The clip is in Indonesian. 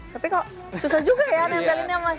tapi kok susah juga ya nempelinnya mas